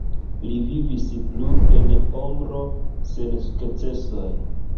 Li vivis plu en "ombro" sen sukcesoj.